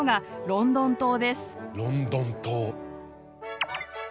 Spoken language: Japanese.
ロンドン塔。